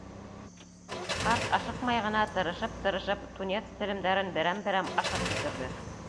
Ҡарт ашыҡмай ғына, тырышып-тырышып, тунец телемдәрен берәм-берәм ашап бөтөрҙө.